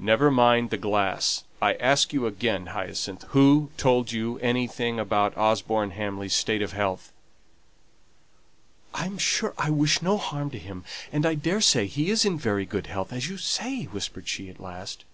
"Never mind the glass. I ask you again, Hyacinth, who told you anything about Osborne Hamley's state of health?" "I am sure I wish no harm to him, and I daresay he is in very good health, as you say," whispered she, at last.